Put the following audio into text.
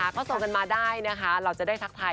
ก็ส่งกันมาได้นะคะเราจะได้ทักทาย